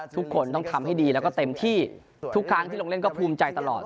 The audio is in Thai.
ทุกคนต้องทำให้ดีแล้วก็เต็มที่ทุกครั้งที่ลงเล่นก็ภูมิใจตลอด